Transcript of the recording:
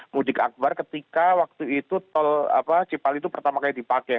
mudik akbar ketika waktu itu tol cipali itu pertama kali dipakai